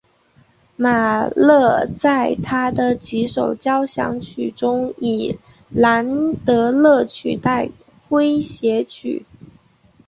马勒在他的几首交响曲中以兰德勒取代诙谐曲。